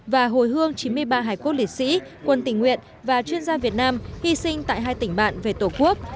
và hồi hương chín mươi ba hải quốc lễ sĩ quân tỉnh nguyện và chuyên gia việt nam hy sinh tại hai tỉnh bạn về tổ quốc